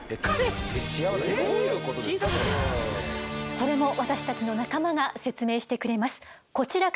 それも私たちの仲間が説明してくれます。